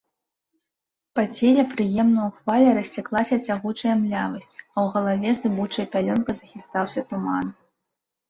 Па целе прыемнаю хваляй расцяклася цягучая млявасць, а ў галаве зыбучай пялёнкай захістаўся туман.